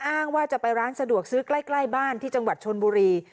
อ้างว่าจะไปร้านสะดวกซื้อใกล้บ้านที่จังหวัดชนบุรี